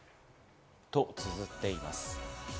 と綴っています。